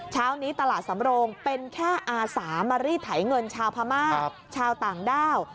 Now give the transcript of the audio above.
เช้านี้ตลาดสำโรงเป็นแค่อาสามารีดไถเงินชาวพม่าชาวต่างด้าว